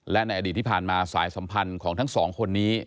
และในอดีตที่ผ่านมาสายสัมพันธ์ของทั้งสองคนนี้